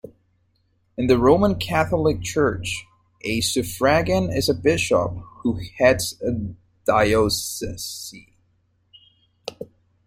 In the Roman Catholic Church, a suffragan is a bishop who heads a diocese.